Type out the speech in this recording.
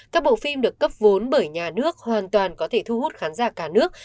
các bộ phim được cấp vốn bởi nhà nước hoàn toàn có thể thu hút khán giả cả nước